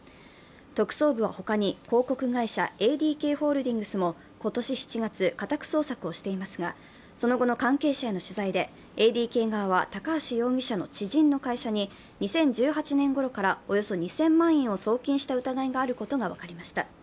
特捜部は他に、広告会社ＡＤＫホールディングスも今年７月、家宅捜索をしていますが、その後の関係者への取材でＡＤＫ側は高橋容疑者の知人の会社に２０１８年ごろからおよそ２０００万円を送金した疑いがあることが分かりました。